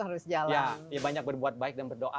harus ya banyak berbuat baik dan berdoa